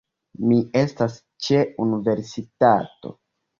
Mi estas ĉe universitato